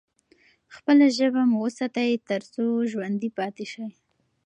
خپله ژبه مو وساتئ ترڅو ژوندي پاتې شئ.